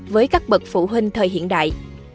với các bậc phụ huynh thời hiện đại